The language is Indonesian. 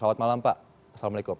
selamat malam pak assalamualaikum